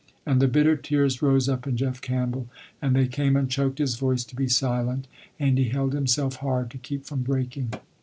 And the bitter tears rose up in Jeff Campbell, and they came and choked his voice to be silent, and he held himself hard to keep from breaking.